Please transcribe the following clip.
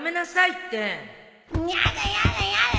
やだやだやだ！